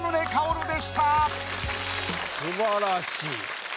素晴らしい。